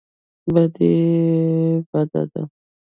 بدي بده ده.